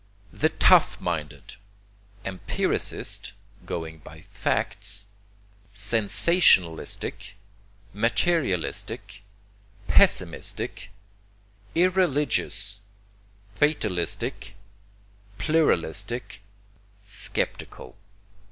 THE TOUGH MINDED Empiricist (going by 'facts'), Sensationalistic, Materialistic, Pessimistic, Irreligious, Fatalistic, Pluralistic, Sceptical.